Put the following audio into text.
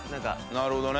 なるほどね。